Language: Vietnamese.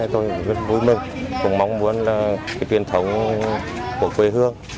tôi rất vui mừng cũng mong muốn là truyền thống của quê hương